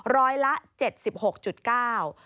ร้อยละ๗๖๙บาท